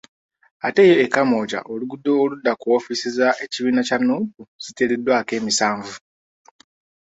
Ate yo e Kamwokya oluguudo Oludda ku woofiisi z'ekibiina kya Nuupu ziteereddwako emisanvu